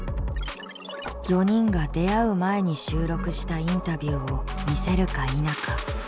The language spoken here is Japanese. ４人が出会う前に収録したインタビューを見せるか否か。